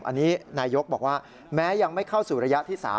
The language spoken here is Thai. อันนี้นายยกบอกว่าแม้ยังไม่เข้าสู่ระยะที่๓